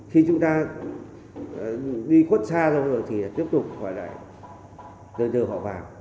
khi chúng ta đi khuất xa rồi thì tiếp tục họ lại đưa họ vào